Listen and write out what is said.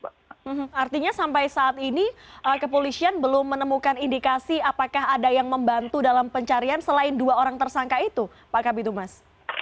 artinya sampai saat ini kepolisian belum menemukan indikasi apakah ada yang membantu dalam pencarian selain dua orang tersangka itu pak kabitumas